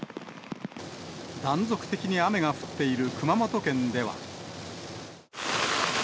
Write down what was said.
断続的に雨が降っている熊本県では。